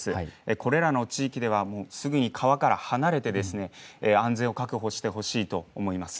これらの地域ではすぐに川から離れて、安全を確保してほしいと思います。